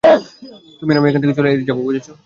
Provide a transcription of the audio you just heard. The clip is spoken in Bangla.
তুমি আর আমি এখান থেকে এখনই চলে যাব, বুঝেছ?